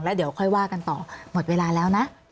แล้วเดี๋ยวค่อยว่ากันต่อหมดเวลาแล้วนะ